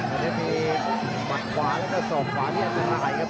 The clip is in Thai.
อันนี้มีบันขวาแล้วก็ส่องขวาเรียกร้ายครับ